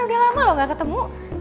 udah lama loh gak ketemu